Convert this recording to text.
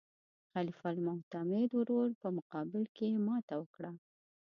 د خلیفه المعتمد ورور په مقابل کې یې ماته وکړه.